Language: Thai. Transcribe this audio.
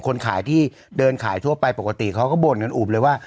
คนขายที่เดินขายทั่วไปปกติเขาก็บ่นกันอุบเลยว่า